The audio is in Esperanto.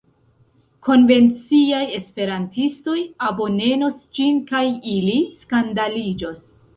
Konvenciaj esperantistoj abonenos ĝin kaj ili skandaliĝos.